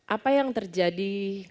apa yang terjadi